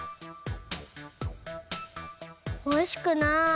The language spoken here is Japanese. おいしくない。